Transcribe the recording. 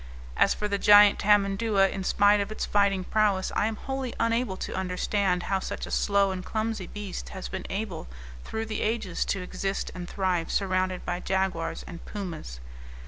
As for the giant tamandua, in spite of its fighting prowess I am wholly unable to understand how such a slow and clumsy beast has been able through the ages to exist and thrive surrounded by jaguars and pumas.